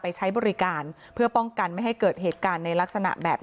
ใช้บริการเพื่อป้องกันไม่ให้เกิดเหตุการณ์ในลักษณะแบบ